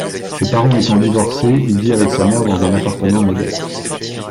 Ses parents étant divorcé, il vit avec sa mère dans un appartement modeste.